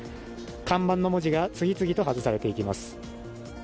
看板の文字が次々と外されていきます。